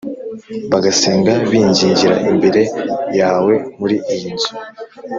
bagasenga bingingira imbere yawe muri iyi nzu;